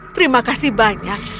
terima kasih banyak